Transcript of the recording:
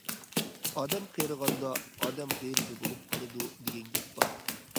‹‹ ئادەم قېرىغاندا ئادەم غېرىبى بولۇپ قالىدۇ›› دېگەن گەپ بار.